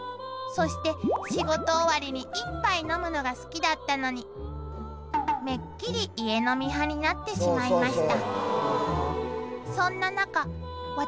そして仕事終わりに一杯飲むのが好きだったのにめっきり家飲み派になってしまいました